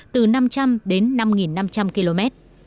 từ năm trăm linh đến năm năm trăm linh km